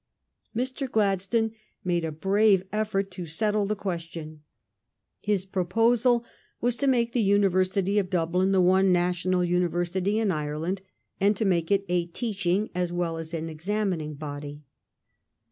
Mr. Gladstone made a brave effort to settle the question. His proposal was to make the Univer sity of Dublin the one national university in Ire land, and to make it a teaching as well as an examining body.